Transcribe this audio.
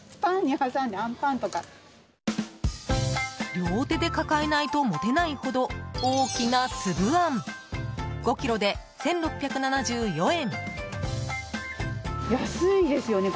両手で抱えないと持てないほど大きなつぶあん５ｋｇで１６７４円。